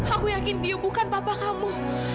aku yakin bio bukan papa kamu